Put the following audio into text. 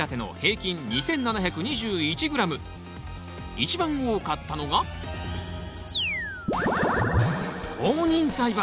一番多かったのが放任栽培！